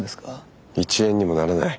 一円にもならない。